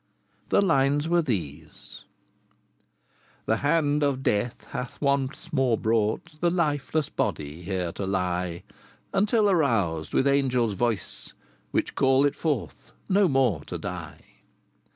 The lines were these: I. The hand of death hath once more brought The lifeless body here to lie, Until aroused with angels' voice, Which call it forth, no more to die.